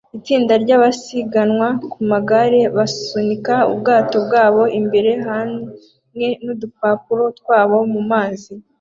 Itsinda ryabasiganwa ku magare basunika ubwato bwabo imbere hamwe nudupapuro twabo mumazi